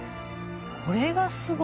これがすごいよね。